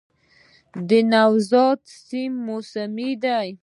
د نوزاد سیند موسمي دی